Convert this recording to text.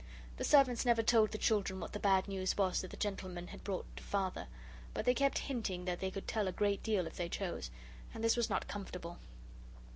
The servants never told the children what the bad news was that the gentlemen had brought to Father. But they kept hinting that they could tell a great deal if they chose and this was not comfortable.